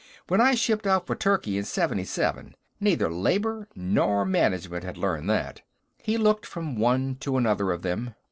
"When I shipped out for Turkey in '77, neither Labor nor Management had learned that." He looked from one to another of them.